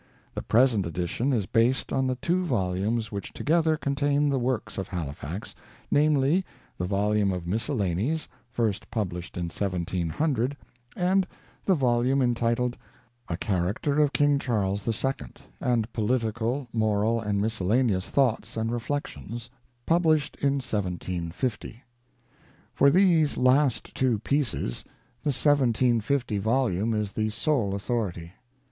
The present edition is based on the two volumes which together contain the works of Halifax, namely, the volume of Miscellanies, first published in 1700, and the volume entitled A Character of King Charles the Second : and Political, Moral and Miscellaneous Thoughts and Reflections, published INTRODUCTION. xxvii published in 1750. For these last two pieces the 1750 volume is the sole authority.